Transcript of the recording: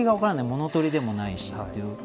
物取りでもないしっていう。